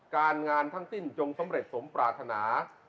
การงานทั้งสิ้นจงสำเร็จสมปรารถนา